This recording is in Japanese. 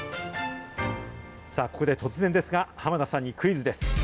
さあ、ここで突然ですが、濱田さんにクイズです。